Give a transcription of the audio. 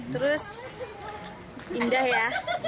terus indah ya